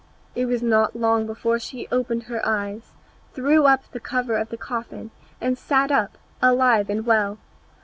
It was not long before she opened her eyes, threw up the cover of the coffin, and sat up, alive and well.